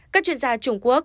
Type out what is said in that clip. các chuyên gia trung quốc